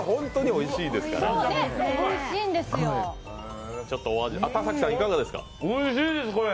おいしいです、これ。